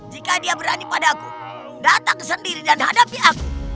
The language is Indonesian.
jika dia berani padaku datang sendiri dan hadapi aku